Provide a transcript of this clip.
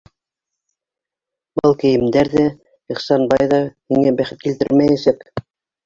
Был кейемдәр ҙә, Ихсанбай ҙа һиңә бәхет килтермәйәсәк!